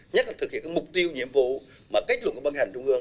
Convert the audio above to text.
nhất là thực hiện mục tiêu nhiệm vụ mà kết luận của bân hành trung ương